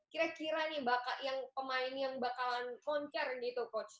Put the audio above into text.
kira kira nih pemain yang bakalan konser gitu coach